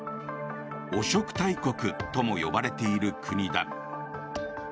汚職大国とも呼ばれている国だ。